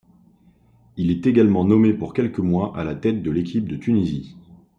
Il est également nommé pour quelques mois à la tête de l’équipe de Tunisie.